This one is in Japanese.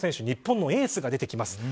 日本のエースが出てきます。